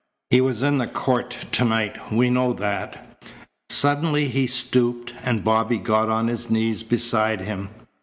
He was in the court tonight. We know that." Suddenly he stooped, and Bobby got on his knees beside him.